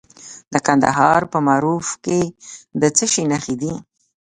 د کندهار په معروف کې د څه شي نښې دي؟